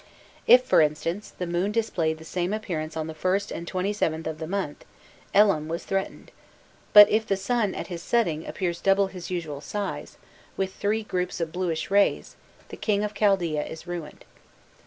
If, for instance, the moon displayed the same appearance on the 1st and 27th of the month, Elam was threatened; but "if the sun, at his setting, appears double his usual size, with three groups of bluish rays, the King of Chaldaea is ruined."